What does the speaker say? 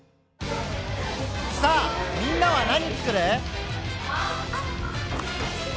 さあみんなは何つくる？